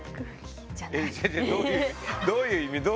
えっどういう意味？